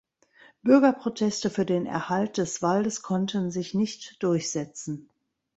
Bürgerproteste für den Erhalt des Waldes konnten sich nicht durchsetzen.